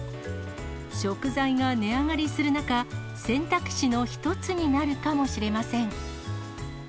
食材が値上がりする中、選択肢の一つになるかもしれません。